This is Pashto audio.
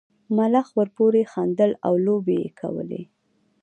ملخ ورپورې خندل او لوبې یې کولې.